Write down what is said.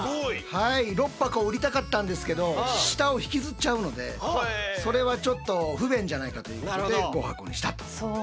６箱売りたかったんですけど下を引きずっちゃうのでそれはちょっと不便じゃないかということで５箱にしたと。